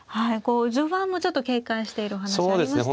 序盤もちょっと警戒しているお話ありましたね。